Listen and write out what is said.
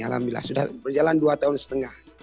alhamdulillah sudah berjalan dua tahun setengah